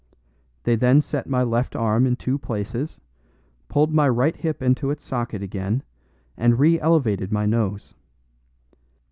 They then set my left arm in two places, pulled my right hip into its socket again, and re elevated my nose.